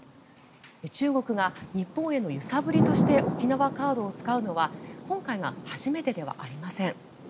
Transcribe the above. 中国が日本への揺さぶりとして沖縄カードを使うのは今回が初めてではありません。